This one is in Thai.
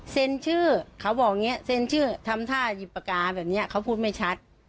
ชื่อเขาบอกอย่างนี้เซ็นชื่อทำท่าหยิบปากกาแบบนี้เขาพูดไม่ชัด